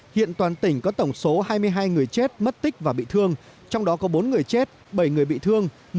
hiện toàn tỉnh có tổng số hai mươi hai người chết mất tích và bị thương trong đó có bốn người chết bảy người bị thương